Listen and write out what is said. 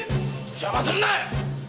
邪魔するな！